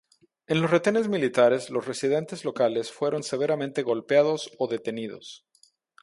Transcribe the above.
En los retenes militares, los residentes locales fueron severamente golpeados o detenidos.